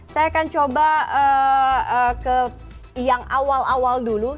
saya akan coba ke yang awal awal dulu